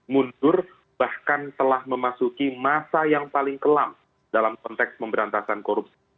mundur bahkan telah memasuki masa yang paling kelam dalam konteks pemberantasan korupsi